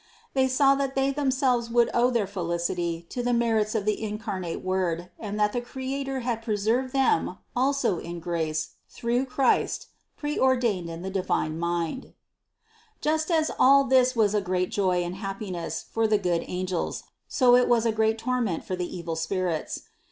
They THE CONCEPTION 97 saw that they themselves would owe their felicity to the merits of the incarnate Word and that the Creator had preserved them also in grace through Christ preordained in the divine Mind. 97. Just as all this was a great joy and happiness for the good angels, so it was a great torment for the evil spirits.